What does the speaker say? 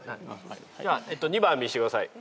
じゃあ２番見してください。